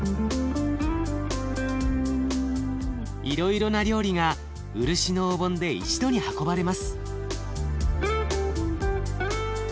いろいろな料理が漆のお盆で一度に運ばれます。